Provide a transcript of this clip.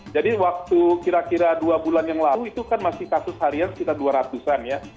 jadi waktu kira kira dua bulan yang lalu itu kan masih kasus harian sekitar dua ratus an ya